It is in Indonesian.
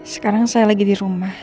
sekarang saya lagi di rumah